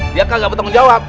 dia kan nggak bertanggung jawab